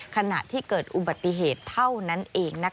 ขณะที่เกิดอุบัติเหตุเท่านั้นเอง